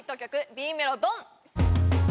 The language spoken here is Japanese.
Ｂメロドン